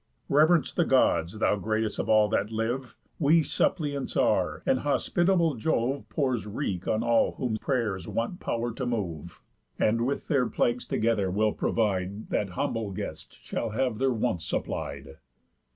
Rev'rence the Gods, thou great'st of all that live. We suppliants are; and hospitable Jove Pours wreak on all whom pray'rs want pow'r to move, And with their plagues together will provide That humble guests shall have their wants supplied.